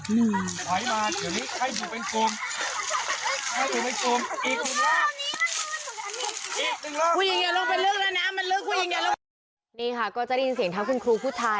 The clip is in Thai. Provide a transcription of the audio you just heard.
นี่ค่ะก็จะได้ยินเสียงทั้งคุณครูผู้ชาย